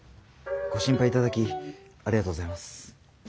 ご心配頂きありがとうございます。